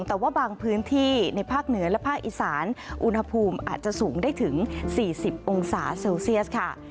แต่ว่าบางพื้นที่ในภาคเหนือและภาคอีสานอุณหภูมิอาจจะสูงได้ถึง๔๐องศาเซลเซียสค่ะ